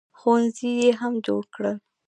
ښوونځي یې هم جوړ کړل.